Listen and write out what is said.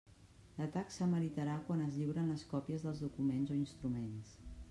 La taxa meritarà quan es lliuren les còpies dels documents o instruments.